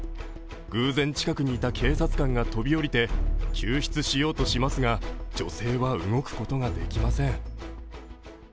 偶然、近くにいた警察官が飛び降りて救出しようとしますが、女性は動くことができません。